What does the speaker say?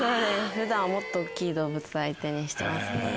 普段はもっと大っきい動物相手にしてます。